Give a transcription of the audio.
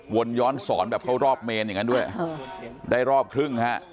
ย้อนสอนแบบเข้ารอบเมนอย่างนั้นด้วยได้รอบครึ่งฮะ